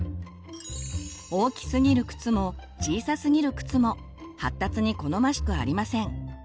大きすぎる靴も小さすぎる靴も発達に好ましくありません。